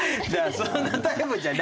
そんなタイプじゃないねん。